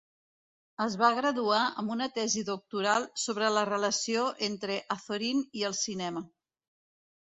Es va graduar amb una tesi doctoral sobre la relació entre Azorín i el cinema.